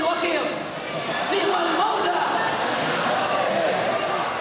cukuplah allah yang menjadi penolong kami